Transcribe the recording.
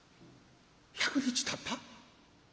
「１００日たった？